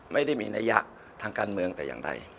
ไม่ได้มีในยะทางการเมืองอย่างไร